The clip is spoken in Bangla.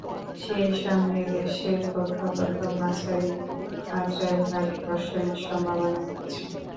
সেই সঙ্গে দেশের কোথাও কোথাও মাঝারি মাত্রার ভারী বর্ষণের সম্ভাবনা রয়েছে।